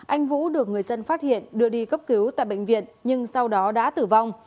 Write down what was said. anh vũ được người dân phát hiện đưa đi cấp cứu tại bệnh viện nhưng sau đó đã tử vong